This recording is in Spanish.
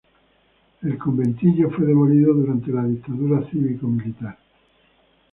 El conventillo fue demolido durante la dictadura cívico militar.